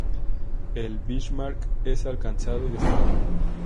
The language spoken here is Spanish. El "Bismarck" es alcanzado y destruido.